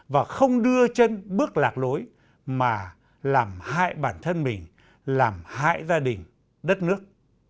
và không đưa chân bước lạc lối mà làm hại bản thân mình làm hại gia đình đất nước